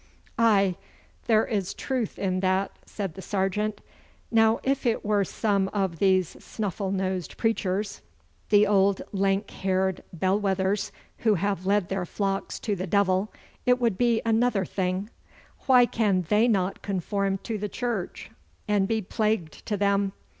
'Aye, there is truth in that,' said the sergeant. 'Now if it were some of these snuffle nosed preachers, the old lank haired bell wethers who have led their flocks to the devil, it would be another thing. Why can they not conform to the Church, and be plagued to them?